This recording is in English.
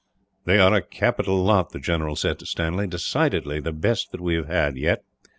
"They are a capital lot," he said to Stanley, "decidedly the best that we have had, yet.